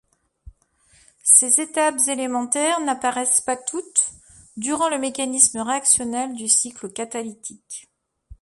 Ces étapes élémentaires n'apparaissent pas toutes durant le mécanisme réactionnel du cycle catalytique.